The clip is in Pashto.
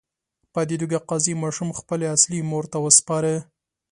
په دې توګه قاضي ماشوم خپلې اصلي مور ته وسپاره.